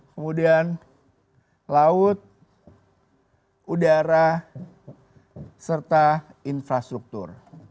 kemudian laut udara serta infrastruktur